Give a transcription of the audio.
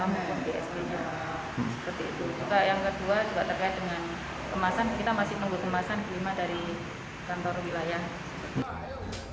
juga yang kedua juga terkait dengan kemasan kita masih menunggu kemasan kelima dari kantor wilayah